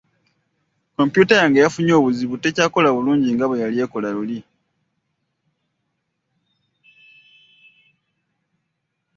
Kompyuta yange yafunye obuzibu tekyakola bulungi nga bwe yali ekola luli.